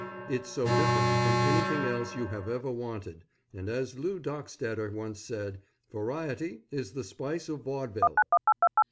It's so different from anything else you have ever wanted, and as Lew Dockstader once said, "Variety is the spice of vaudeville."